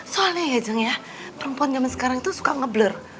soalnya ya jeng ya perempuan jaman sekarang itu suka ngeblur